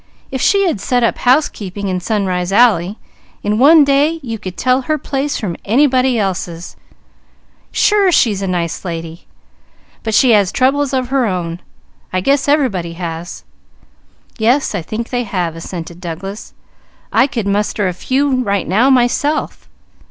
"If she had to set up housekeeping in Sunrise Alley in one day you could tell her place from anybody else's. Sure, she's a nice lady! But she has troubles of her own. I guess everybody has." "Yes, I think they have," assented Douglas. "I could muster a few right now, myself."